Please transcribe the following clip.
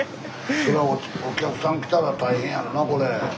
お客さん来たら大変やろなこれ。